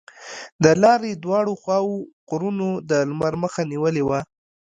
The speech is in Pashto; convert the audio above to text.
د لارې دواړو خواوو غرونو د لمر مخه نیولې وه.